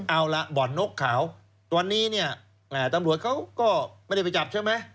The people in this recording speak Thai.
เอาล่ะบ่อนนกขาวตอนนี้เนี่ยตำรวจเขาก็ไม่ได้ไปจับใช่ไหม